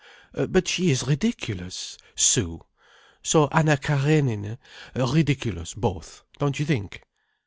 But she is ridiculous. Sue: so Anna Karénine. Ridiculous both. Don't you think?"